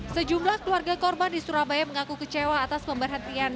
sejumlah keluarga korban di surabaya mengaku kecewa atas pemberhentian